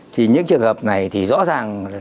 thì những trường hợp này thì rõ ràng